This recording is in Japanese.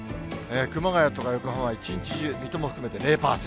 熊谷とか横浜、一日中、水戸も含めて０％。